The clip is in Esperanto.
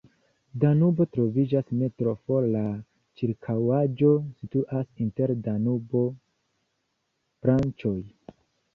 Danubo troviĝas ne tro for, la ĉirkaŭaĵo situas inter Danubo-branĉoj.